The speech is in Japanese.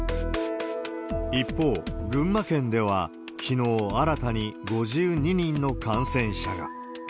一方、群馬県ではきのう、新たに５２人の感染者が。